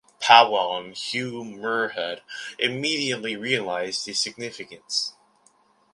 Powell and Hugh Muirhead immediately realised the significance.